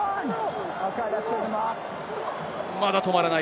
まだ止まらない。